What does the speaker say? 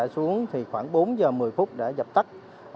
xuống thì khoảng bốn giờ một mươi phút để dập tắt